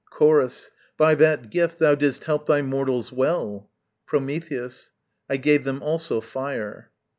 Chorus. By that gift thou didst help thy mortals well. Prometheus. I gave them also fire.